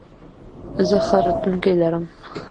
زه ښه راتلونکې لرم.